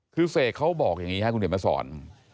คือเสกเขาบอกอย่างนี้ครับคุณเขียนมาสอน